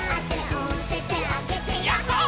「おててあげてやっほー☆」